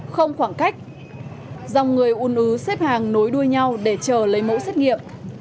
không khoảng cách dòng người un ứ xếp hàng nối đuôi nhau để chờ lấy mẫu xét nghiệm